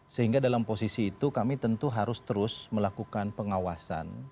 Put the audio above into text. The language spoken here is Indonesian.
sehingga dalam posisi itu kami tentu harus terus melakukan pengawasan